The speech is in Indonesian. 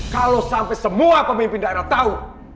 kalau sampai semua pemimpin daerah tahu